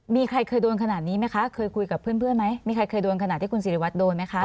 มีใครเคยคุยกับเพื่อนไหมมีใครเคยโดนขนาดที่คุณศิริวัตรโดนไหมคะ